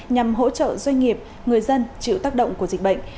nhằm hỗ trợ doanh nghiệp người dân chịu tác động của dịch bệnh